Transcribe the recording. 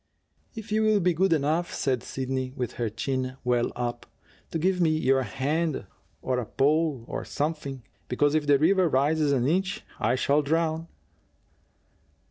"If you will be good enough," said Sidney, with her chin well up, "to give me your hand or a pole or something because if the river rises an inch I shall drown."